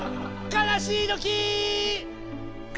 かなしいときー！